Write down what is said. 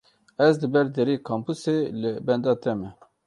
Ez li ber deriyê kampusê li benda te me.